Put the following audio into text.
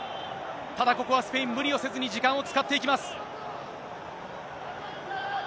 ただここはスペイン、無理をせずに時間を使っていきます。